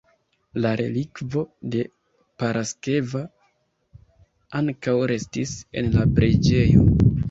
La relikvo de Paraskeva ankaŭ restis en la preĝejo.